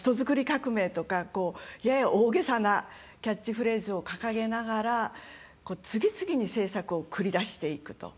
革命とかやや大げさなキャッチフレーズを掲げながら次々に政策を繰り出していくと。